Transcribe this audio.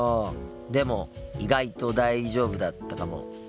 でも意外と大丈夫だったかも。